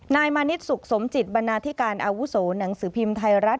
มานิดสุขสมจิตบรรณาธิการอาวุโสหนังสือพิมพ์ไทยรัฐ